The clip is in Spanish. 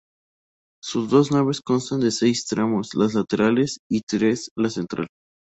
Sus dos naves constan de seis tramos las laterales y tres la central.